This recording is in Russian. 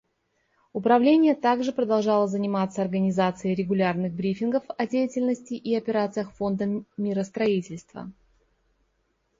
Управление также продолжало заниматься организацией регулярных брифингов о деятельности и операциях Фонда миростроительства.